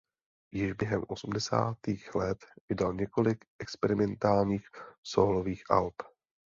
Již během osmdesátých let vydal několik experimentálních sólových alb.